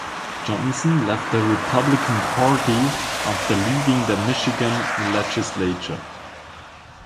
Johnson left the Republican Party after leaving the Michigan Legislature.